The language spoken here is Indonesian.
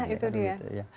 nah itu dia